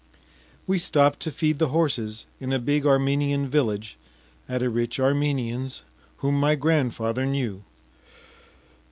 We stopped to feed the horses in a big Armenian village at a rich Armenian’s whom my grandfather knew.